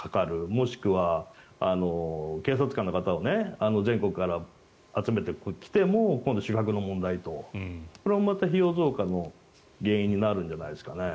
もしくは警察官の方を全国から集めるとしても今度、宿泊の問題とこれまた費用増加の原因になるんじゃないですかね。